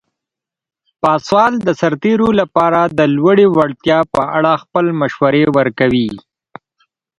پاسوال د سرتیرو لپاره د لوړې وړتیا په اړه خپل مشورې ورکوي.